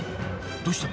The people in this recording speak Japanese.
どうした？